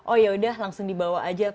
oh yaudah langsung dibawa aja